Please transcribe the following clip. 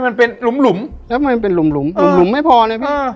มันเป็นหลุมหลุมแล้วมันเป็นหลุมหลุมหลุมหลุมไม่พอเลยพี่อ่า